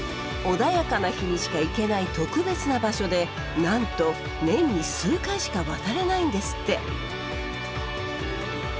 穏やかな日にしか行けない特別な場所でなんと年に数回しか渡れないんですって！